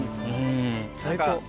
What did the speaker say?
最高。